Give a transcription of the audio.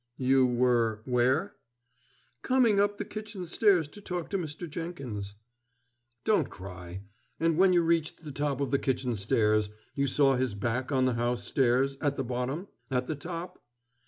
"You were where?" "Coming up the kitchen stairs to talk to Mr. Jenkins." "Don't cry. And when you reached the top of the kitchen stairs you saw his back on the house stairs at the bottom? at the top?"